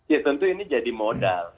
ya tentu ini jadi modal